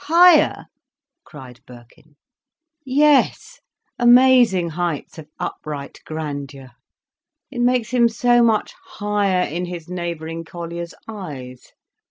"Higher!" cried Birkin. "Yes. Amazing heights of upright grandeur. It makes him so much higher in his neighbouring collier's eyes.